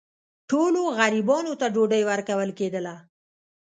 ټولو غریبانو ته ډوډۍ ورکول کېدله.